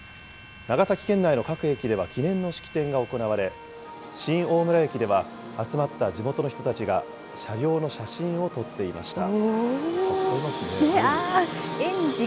長崎県内の各駅では記念の式典が行われ、新大村駅では集まった地元の人たちが、車両の写真を撮っていました。